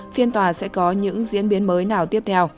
phiên tòa sẽ có những diễn biến mới nào tiếp theo